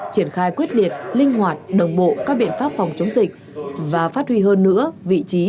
triển khai quyết liệt linh hoạt đồng bộ các biện pháp phòng chống dịch và phát huy hơn nữa vị trí